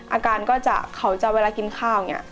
อาการก็จะเขาจะเวลากินข้าวอย่างนี้